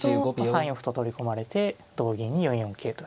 ３四歩と取り込まれて同銀に４四桂と。